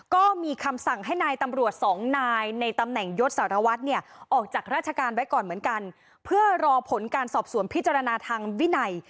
ก็มีคำสั่งให้นายตำรวจสองนายในตำแหน่งยศสารวัตรเนี่ยออกจากราชการไว้ก่อนเหมือนกันเพื่อรอผลการสอบสวนพิจารณาทางวินัย